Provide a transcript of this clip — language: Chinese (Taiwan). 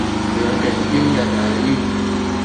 有點因人而異